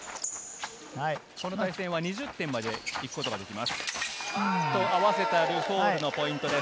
この対戦は２０点まで行くことができます。